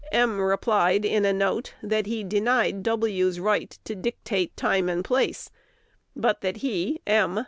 M. replied in a note, that he denied W.'s right to dictate time and place, but that he (M.)